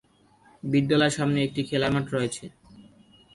বিদ্যালয়ের সামনে একটি খেলার মাঠ রয়েছে।